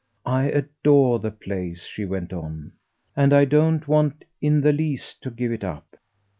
I adore the place," she went on, "and I don't want in the least to give it up."